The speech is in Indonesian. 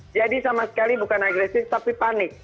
jadi sama sekali bukan agresif tapi panik